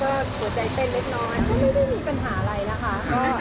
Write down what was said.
ก็หัวใจเต้นเล็กน้อยก็ไม่ได้มีปัญหาอะไรนะคะ